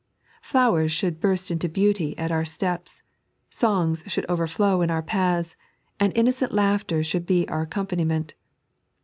Flowers should burst into beauty at our steps, songs should overflow in our paths, and innocent laughter should be our accom paniment.